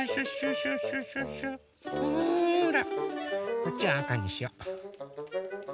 こっちはあかにしよう。